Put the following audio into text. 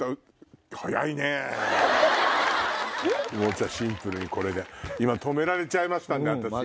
じゃあシンプルにこれで止められちゃいましたんで私。